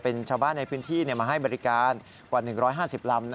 เป็นชาวบ้านในพื้นที่มาให้บริการกว่า๑๕๐ลำ